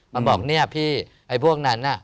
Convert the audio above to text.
มาบอกเนี่ยพี่ไอ้พวกนั้นน่ะ